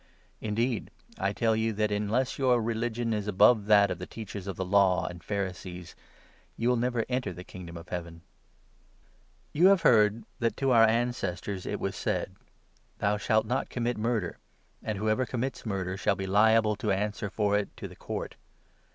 Indeed I tell you that, unless your religion is above that of the Teachers of the Law, and Pharisees, you will never enter the Kingdom of Heaven. on You have heard that to our ancestors it was Anger, said —' Thou shall not commit murder,' and ' Whoever commits murder shall be liable to answer for it to the Court.'